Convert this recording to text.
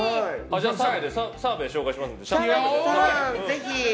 じゃあ、澤部紹介しますので。